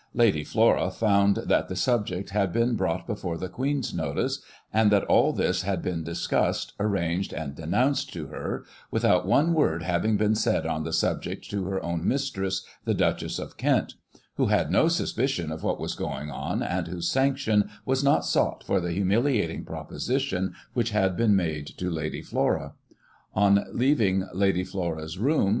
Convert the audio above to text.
Lady Flora found that the subject had been brought before the Queen's notice, and that all this had been discussed, arranged and denoimced to her, without one word having been said on the subject to her own mistress, the Duchess of Kent ; who had no suspicion of what was going on, and whose sanction was not sought for the humiliating proposition which had been made to Lady Flora. On leaving Lady Flora's room.